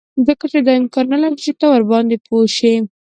ځکه چې دا امکان نلري چې ته ورباندې پوه شې